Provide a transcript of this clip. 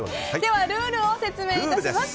ルールを説明します。